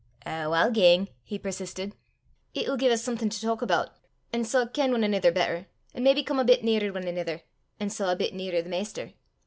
"Ow, I'll gang!" he persisted. "It'll gie 's something to talk aboot, an' sae ken ane anither better, an' maybe come a bit nearer ane anither, an' sae a bit nearer the maister.